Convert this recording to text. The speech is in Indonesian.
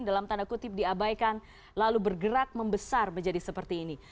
diabaikan lalu bergerak membesar menjadi seperti ini